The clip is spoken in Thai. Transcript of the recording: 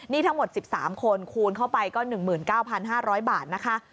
นี่ทั้งหมด๑๓คนคูณเข้าไปก็๑๙๕๐๐บาทนะคะ